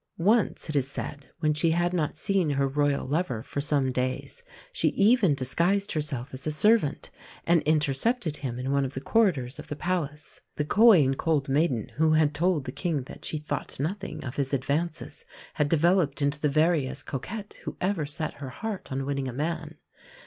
Once, it is said, when she had not seen her Royal lover for some days she even disguised herself as a servant and intercepted him in one of the corridors of the Palace. The coy and cold maiden who had told the King that she "thought nothing" of his advances, had developed into the veriest coquette who ever set her heart on winning a man.